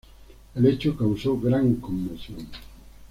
El hecho causó gran conmoción.